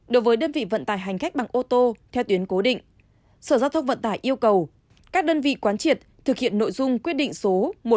đối với đơn vị vận tải hành khách bằng ô tô theo tuyến cố định sở giao thông vận tải yêu cầu các đơn vị quán triệt thực hiện nội dung quyết định số một nghìn chín trăm bốn mươi